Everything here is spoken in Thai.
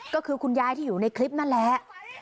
ก็คือคุณยายที่อยู่ในคลิปนั่นแหละ